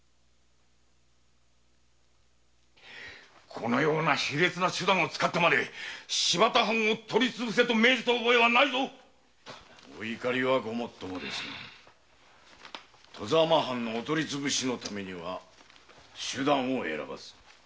このような手段まで使って藩を取りつぶせと命じた覚えはないお怒りはごもっともですが外様藩取りつぶしのためには手段を選ばず。